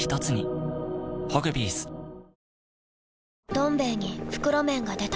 「どん兵衛」に袋麺が出た